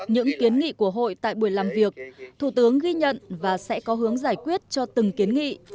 những kiến nghị của hội tại buổi làm việc thủ tướng ghi nhận và sẽ có hướng giải quyết cho từng kiến nghị